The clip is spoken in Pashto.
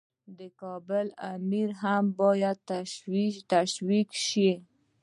د کابل امیر هم باید تشویق شي.